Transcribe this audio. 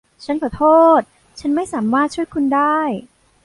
ฉันขอโทษ ฉันไม่สามารถช่วยคุณได้